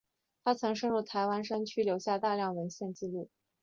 他曾深入台湾山区探访并留下大量相关文献纪录。